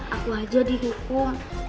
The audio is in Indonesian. aku aja dihukum